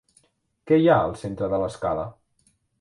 Què hi ha al centre de l'escala?